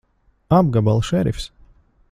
Apgabala šerifs!